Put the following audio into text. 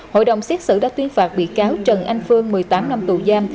hội đồng xét xử đã tuyên phạt bị cáo trần anh phương một mươi tám năm tù giam